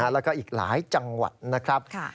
แล้วก็อีกหลายจังหวัดนะครับ